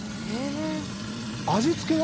味付けは？